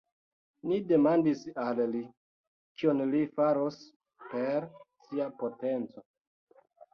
Ni demandis al li, kion li faros per sia potenco.